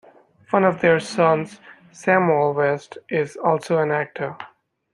One of their sons, Samuel West, is also an actor.